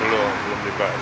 belum belum dibahas